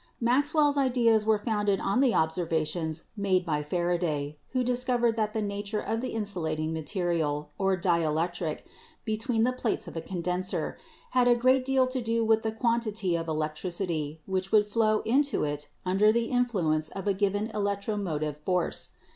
Maxwell's ideas were founded on the observations made by Faraday, who discovered that the nature of the insulating material, or dielectric, between the plates of a condenser had a great deal to do with the quantity of electricity which would flow into it under the influence of a given electromotive force.